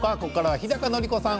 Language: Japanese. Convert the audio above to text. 日高のり子さん